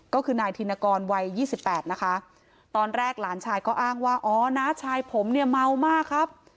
ก็คือนายธินกรวัย๒๘นะคะตอนแรกหลานชายก็อ้างว่าอ๋อน้าชายผมเนี่ยเมามากครับ